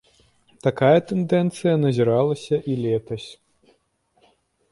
Такая тэндэнцыя назіралася і летась.